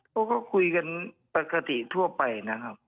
เขาก็คุยกันปกติทั่วไปนะครับ